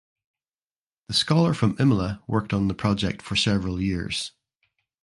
The scholar from Imola worked on the project for several years.